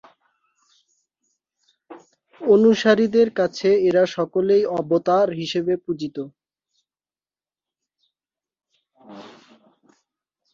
অনুসারীদের কাছে এঁরা সকলেই অবতার হিসেবে পূজিত।